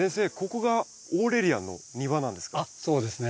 ここがオーレリアンの庭なんですか？